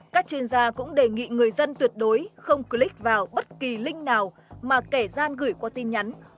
các chuyên gia cũng đề nghị người dân tuyệt đối không click vào bất kỳ link nào mà kẻ gian gửi qua tin nhắn